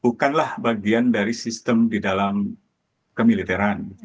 bukanlah bagian dari sistem di dalam kemiliteran